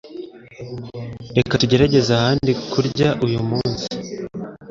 Reka tugerageze ahandi kurya uyu munsi